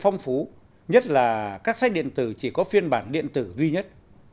nhất là các sách điện tử chỉ có phiên bản điện tử duy nhất